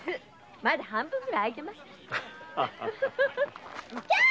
まだ半分ぐらい空いてます。